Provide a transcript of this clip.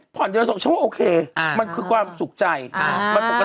ผ่อนเดือนละ๒๐๐๐๐๐เฉพาะโอเคมันคือความสุขใจมันปกติอ่า